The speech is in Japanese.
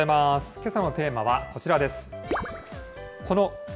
けさのテーマはこちらです。